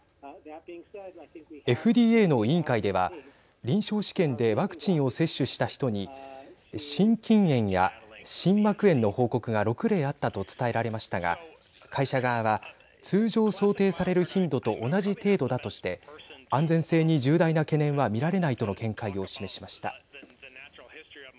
ＦＤＡの委員会では臨床試験でワクチンを接種した人に心筋炎や心膜炎の報告が６例あったと伝えられましたが会社側は通常想定される頻度と同じ程度だとして安全性に重大な懸念は見られないとの見解を示しました。